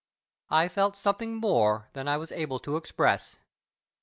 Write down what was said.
I felt something more than I was able to express.